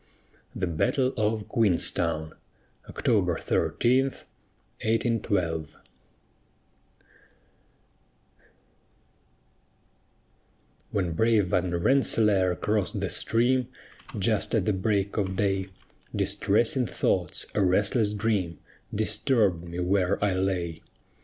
THE BATTLE OF QUEENSTOWN [October 13, 1812] When brave Van Rensselaer cross'd the stream, Just at the break of day, Distressing thoughts, a restless dream, Disturb'd me where I lay.